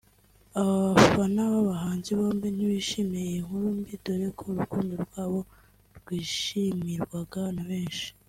abafana b’aba bahanzi bombi ntibishimiye iyi nkuru mbi dore ko urukundo rwabo rwishimirwaga na benshi